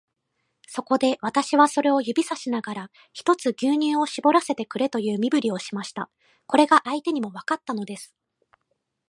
そこで、私はそれを指さしながら、ひとつ牛乳をしぼらせてくれという身振りをしました。これが相手にもわかったのです。